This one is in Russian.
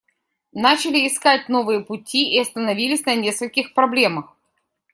Начали искать новые пути и остановились на нескольких проблемах.